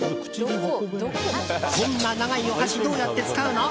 こんな長いお箸どうやって使うの？